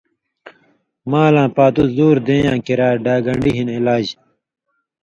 مالاں پاتُو زُور دے یاں کریا ڈاگݩڈی ہِن علاج